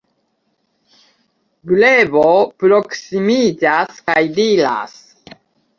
Grebo proksimiĝas kaj diras: